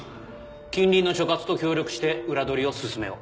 近隣の所轄と協力して裏取りを進めよう。